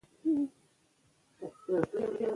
ازادي راډیو د اداري فساد په اړه د خلکو پوهاوی زیات کړی.